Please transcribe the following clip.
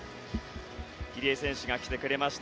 入江選手が来てくれました。